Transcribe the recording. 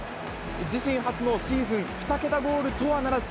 自身初のシーズン２桁ゴールとはならず。